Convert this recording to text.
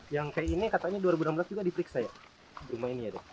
yang pin nya katanya dua ribu enam belas juga diperiksa ya